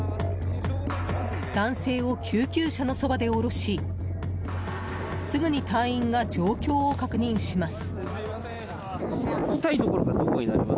男性を救急車のそばで下ろしすぐに隊員が状況を確認します。